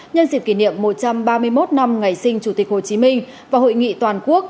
nhân dịp kỷ niệm một trăm ba mươi một năm ngày sinh chủ tịch hồ chí minh và hội nghị toàn quốc